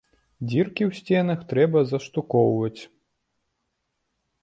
Дзіркі ў сценах трэба заштукоўваць!